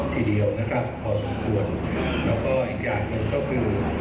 ทีเดียวนะครับพอสมควรแล้วก็อีกอย่างหนึ่งก็คือ